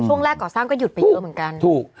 ช่วงแรกก่อสร้างก็หยุดไปเยอะเหมือนกันถูก